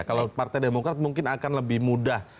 kalau partai demokrat mungkin akan lebih mudah